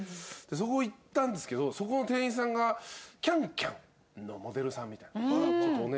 そこに行ったんですけどそこの店員さんが『ＣａｎＣａｍ』のモデルさんみたいなお姉さんで。